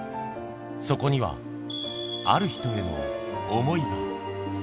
そこには、ある人への想いが。